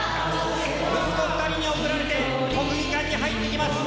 息子２人に送られて、国技館に入ってきます。